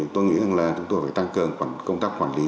tôi nghĩ rằng là chúng tôi phải tăng cường công tác quản lý